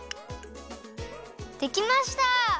できました！